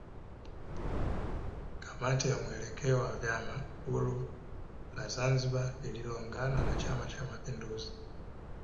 Kamati ya mwelekeo wa vyama huru la Zanzibari lililoungana na chama cha mapinduzi